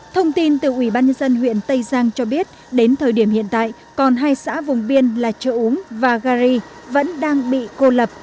thông tin từ ủy ban nhân dân huyện tây giang cho biết đến thời điểm hiện tại còn hai xã vùng biên là chợ úm và gari vẫn đang bị cô lập